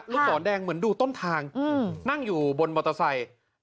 ศรแดงเหมือนดูต้นทางนั่งอยู่บนมอเตอร์ไซค์